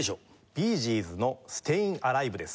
ビー・ジーズの『ステイン・アライヴ』です。